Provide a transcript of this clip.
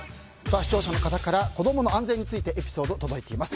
視聴者の方から子供の安全についてエピソードが届いています。